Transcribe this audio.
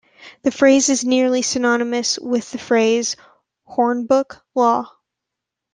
The phrase is nearly synonymous with the phrase "hornbook law".